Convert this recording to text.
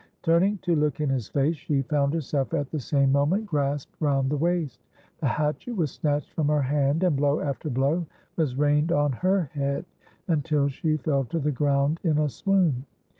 Turning to look in his face, she found herself at the same moment grasped round the waist the hatchet was snatched from her hand and blow after blow was rained on her head until she fell to the ground in a swoon.